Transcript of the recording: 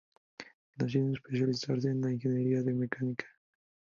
Nacido para especializarse en la ingeniería de mecánica.